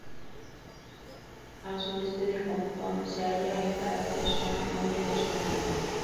Al sureste de Compton se halla el cráter Swann, muy erosionado.